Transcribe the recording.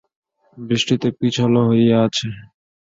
বৃষ্টিতে পিছলও হইয়া আছে।